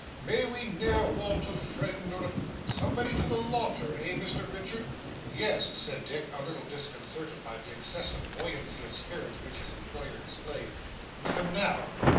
May we ne'er want a friend, or a Somebody to the lodger, eh, Mr Richard?' 'Yes,' said Dick, a little disconcerted by the excessive buoyancy of spirits which his employer displayed. 'With him now.